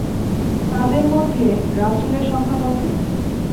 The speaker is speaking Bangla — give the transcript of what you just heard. তাঁদের মধ্যে রাসূলের সংখ্যা কত?